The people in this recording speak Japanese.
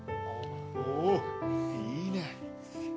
おういいね。